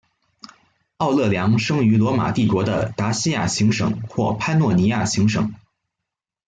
奥勒良生于罗马帝国的达西亚行省或潘诺尼亚行省。